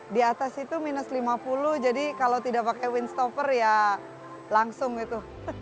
di atas itu minus lima puluh jadi kalau tidak pakai winstopper ya langsung itu